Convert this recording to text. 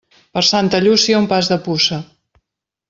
Per Santa Llúcia un pas de puça.